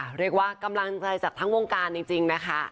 เรียกว่ากำลังใจจากทั้งวงการจริงนะคะ